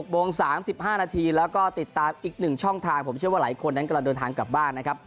โมง๓๕นาทีแล้วก็ติดตามอีก๑ช่องทางผมเชื่อว่าหลายคนนั้นกำลังเดินทางกลับบ้านนะครับ